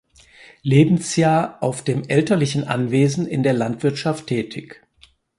Lebensjahr auf dem elterlichen Anwesen in der Landwirtschaft tätig.